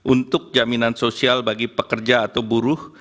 untuk jaminan sosial bagi pekerja atau buruh